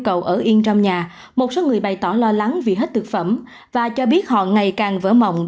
cầu ở yên trong nhà một số người bày tỏ lo lắng vì hết thực phẩm và cho biết họ ngày càng vỡ mộng